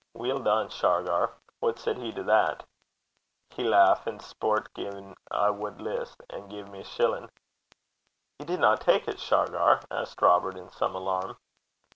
'Weel dune, Shargar! What said he to that?' 'He leuch, and speirt gin I wad list, and gae me a shillin'.' 'Ye didna tak it, Shargar?' asked Robert in some alarm.